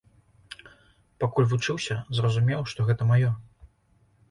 Пакуль вучыўся, зразумеў што гэта маё.